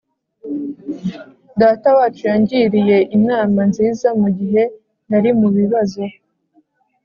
Datawacu yangiriye inama nziza mugihe nari mubibazo